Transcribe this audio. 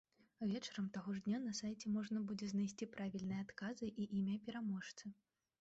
Вечарам таго ж дня на сайце можна будзе знайсці правільныя адказы і імя пераможцы.